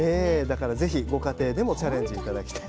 だから是非ご家庭でもチャレンジ頂きたいと。